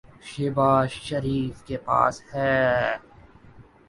شہباز شریف کے پاس ہے۔